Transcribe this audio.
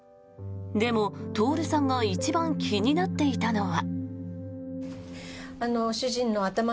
でも、徹さんが一番気になっていたのは。